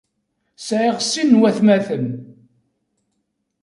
Sεiɣ sin n watamaten.